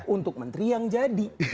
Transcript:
untuk menteri yang jadi